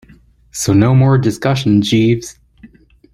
So no more discussion, Jeeves.